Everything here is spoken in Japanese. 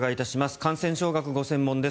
感染症学がご専門です。